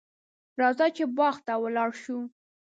راځه چې باغ ته ولاړ شو.